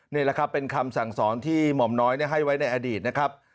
นี่แหละครับเป็นคำสั่งสอนที่หม่อมน้อยให้ไว้ในอดีตนะครับ